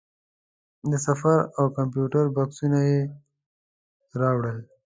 د سفر او کمپیوټر بکسونه یې راوړل.